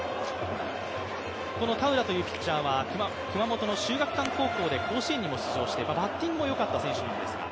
この田浦というピッチャーは熊本の甲子園にも出場してバッティングもよかった選手です。